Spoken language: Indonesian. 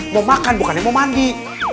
mau makan bukannya mau mandi